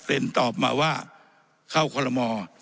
เสร็จตอบมาว่าเข้าคอรมอร์